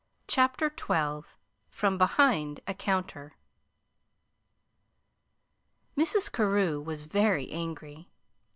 CHAPTER XII FROM BEHIND A COUNTER Mrs. Carew was very angry.